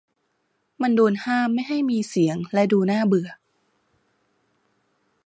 มันโดนห้ามไม่ให้มีเสียงและดูน่าเบื่อ